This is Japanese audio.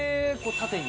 縦に？